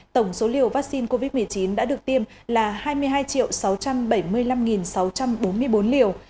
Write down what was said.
tổng số liều vaccine covid một mươi chín đã được tiêm là hai mươi hai sáu trăm bảy mươi năm sáu trăm bốn mươi bốn liều